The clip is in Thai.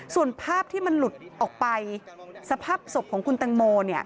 ส่วนภาพที่มันหลุดออกไปสภาพศพของคุณตังโม